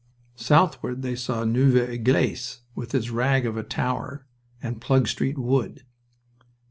Southward they saw Neuve Eglise, with its rag of a tower, and Plug Street wood.